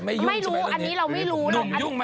นุ่มยุ่งเรื่องตัวเอง